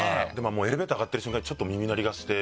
エレベーター上がってる瞬間にちょっと耳鳴りがしてみたいな。